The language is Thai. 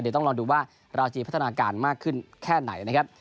เดี๋ยวต้องลองดูว่าเราจะพัฒนาการมากขึ้นแค่ไหนนะครับ